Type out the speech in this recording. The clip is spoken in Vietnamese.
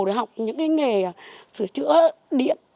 để học những cái nghề sửa chữa điện